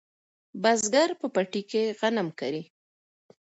بزګر په پټي کې غنم کري.